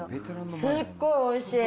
すっごいおいしい。